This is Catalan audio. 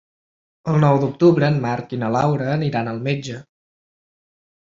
El nou d'octubre en Marc i na Laura aniran al metge.